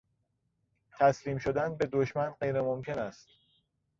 تسلیم شدن به دشمن غیر ممکن است.